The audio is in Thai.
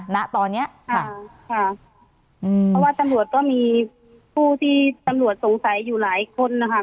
เพราะว่าจำนวดก็มีผู้ที่จำนวดสงสัยอยู่หลายคนนะคะ